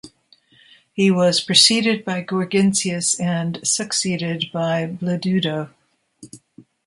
He was preceded by Gurgintius and succeeded by Bledudo.